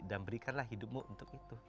dan berikanlah hidupmu untuk itu